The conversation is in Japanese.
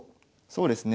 そうですね。